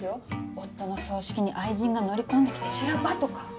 夫の葬式に愛人が乗り込んできて修羅場とか。